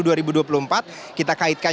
kita kaitkan juga dengan misalkan pak firly